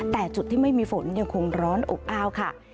แต่จุดที่ไม่มีฝนยังคงร้อนอบอ้าวค่ะ